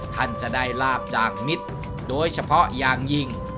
ท่านจะได้ลาบจากมิตรโดยเฉพาะอย่างยิ่ง